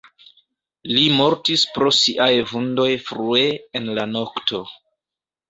Li mortis pro siaj vundoj frue en la nokto.